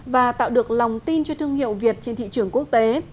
và tạo được lòng tin cho thương hiệu việt trên thị trường quốc tế